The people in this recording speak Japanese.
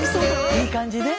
いい感じね。